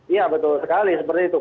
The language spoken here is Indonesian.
iya betul sekali seperti itu